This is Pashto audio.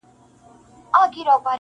نظم لږ اوږد دی امید لرم چي وې لولی,